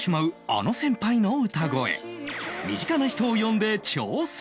身近な人を呼んで挑戦